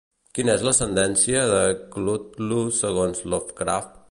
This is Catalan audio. Quina és l'ascendència de Cthulhu segons Lovecraft?